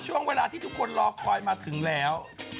ช่วงเวลาที่ทุกคนรอคอยมาถึงแล้ว